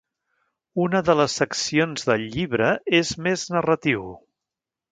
Una de les seccions del llibre és més narratiu.